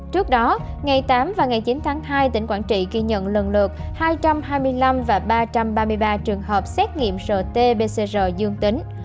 trước đó ngày tám và ngày chín tháng hai tỉnh quảng trị ghi nhận lần lượt hai trăm hai mươi năm và ba trăm ba mươi ba trường hợp xét nghiệm rt pcr dương tính